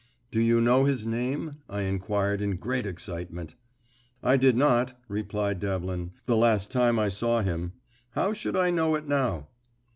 "Do you know his name?" I inquired, in great excitement. "I did not," replied Devlin, "the last time I saw him. How should I know it now?"